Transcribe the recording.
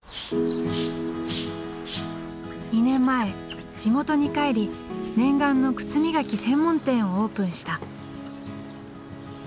２年前地元に帰り念願の靴磨き専門店をオープンした。